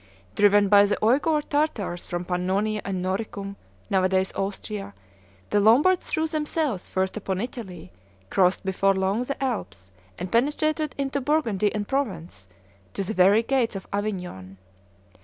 Driven by the Ouigour Tartars from Pannonia and Noricum (nowadays Austria), the Lombards threw themselves first upon Italy, crossed before long the Alps, and penetrated into Burgundy and Provence, to the very gates of Avignon.